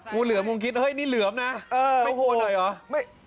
งูเหลือมคงคิดนี่เหลือมนะไม่ควรหน่อยหรือ